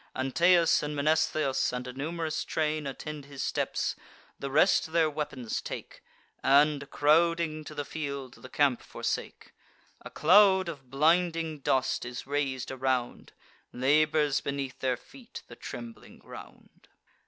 Anteus and Mnestheus, and a num'rous train, Attend his steps; the rest their weapons take, And, crowding to the field, the camp forsake. A cloud of blinding dust is rais'd around, Labours beneath their feet the trembling ground.